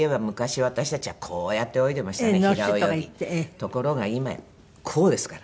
ところが今やこうですからね。